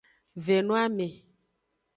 Ve no ame.